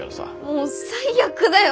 もう最悪だよ。